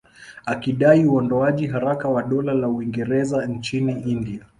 Akidai uondoaji haraka wa Dola la Uingereza nchini India